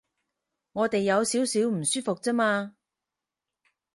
我哋有少少唔舒服啫嘛